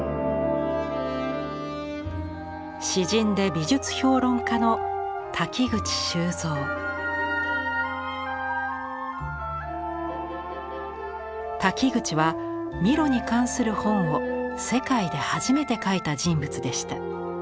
詩人で美術評論家の瀧口はミロに関する本を世界で初めて書いた人物でした。